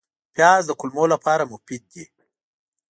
پیاز د کولمو لپاره مفید دی